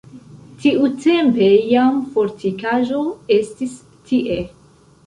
Tiutempe jam fortikaĵo estis tie.